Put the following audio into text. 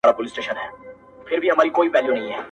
o کږه غاړه توره نه خوري!